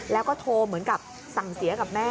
แล้วก็โทรเหมือนกับสั่งเสียกับแม่